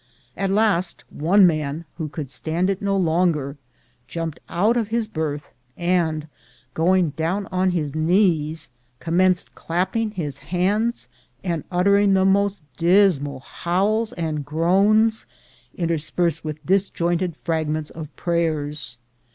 At last, one man, who could stand it no longer, jumped out of his Derth, and, going down on his knees, commenced clap ping his hands, and uttering the most dismal howls and groans, interspersed with disjointed fragments of prayers.